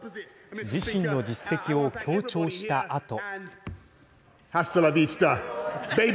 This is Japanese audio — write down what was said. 自身の実績を強調したあと。